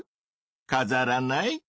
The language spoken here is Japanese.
かざらない？